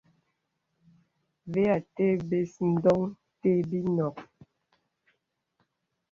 Və atə̀ bəs ndɔŋ té bi nɔk.